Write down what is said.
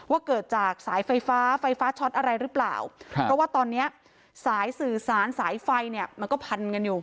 ว่าเกิดจากสายไฟฟ้าไฟฟ้าช็อตอะไรหรือเปล่าครับเพราะว่าตอนเนี้ยสายสื่อสารสายไฟเนี่ยมันก็พันกันอยู่